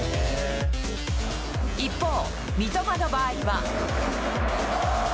一方、三笘の場合は。